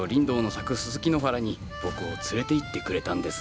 ススキ野原に僕を連れていってくれたんです。